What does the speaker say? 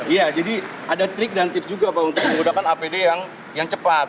iya jadi ada trik dan tips juga pak untuk menggunakan apd yang cepat